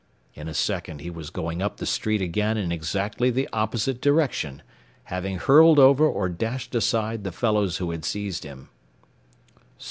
In a second he was going up the street again in exactly the opposite direction, having hurled over or dashed aside the fellows who had seized him.